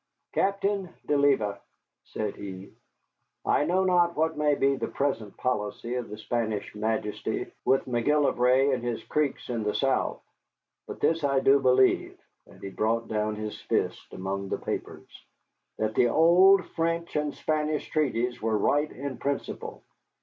"Captain de Leyba," said he, "I know not what may be the present policy of his Spanish Majesty with McGillivray and his Creeks in the south, but this I do believe," and he brought down his fist among the papers, "that the old French and Spanish treaties were right in principle.